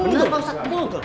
gak benar pak ustadz